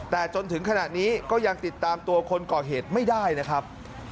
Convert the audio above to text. แต่จนถึงขณะนี้ก็ยังติดตามตัวคนก่อเหตุไม่ได้นะครับ